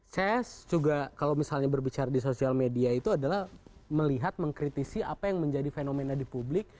saya juga kalau misalnya berbicara di sosial media itu adalah melihat mengkritisi apa yang menjadi fenomena di publik